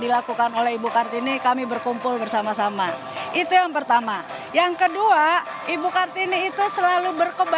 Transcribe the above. dilakukan oleh ibu kartini kami berkumpul bersama sama itu yang pertama yang kedua ibu kartini itu selalu berkembang